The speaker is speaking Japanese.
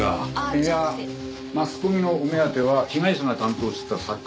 いやマスコミのお目当ては被害者が担当してた作家さんのほう。